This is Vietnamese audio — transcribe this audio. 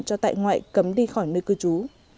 cho tại ngoại cấm đi khỏi nơi cư trú